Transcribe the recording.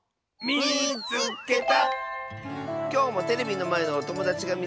「みいつけた！」。